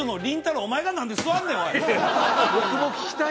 お前が何で座んねんおい！